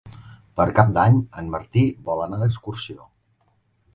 Per Cap d'Any en Martí vol anar d'excursió.